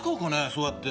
⁉そうやって。